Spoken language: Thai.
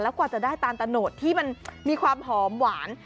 กว่าจะได้ตาลตะโนดที่มันมีความหอมหวาน